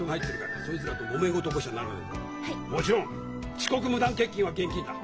もちろん遅刻無断欠勤は厳禁だ。